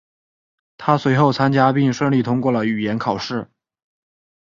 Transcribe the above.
他随后参加并顺利通过了语言考试。